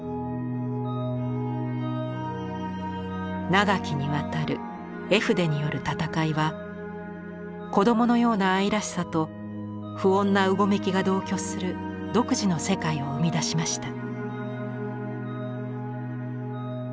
長きにわたる絵筆による戦いは子供のような愛らしさと不穏なうごめきが同居する独自の世界を生み出しました。